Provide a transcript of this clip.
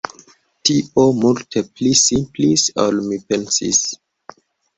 Tio multe pli simplis ol mi pensis.